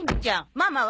ママは？